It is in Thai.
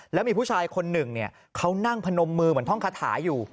แล้วมีผู้ชายคนหนึ่งเขานั่งพนมมือเหมือนท่องคาถาอยู่